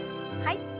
はい。